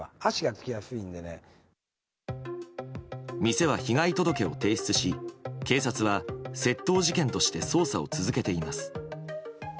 店は被害届を提出し警察は窃盗事件として捜査を続けています。